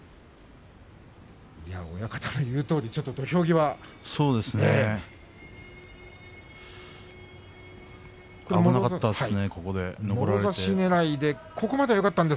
親方の言うとおり、土俵際危なかったですね。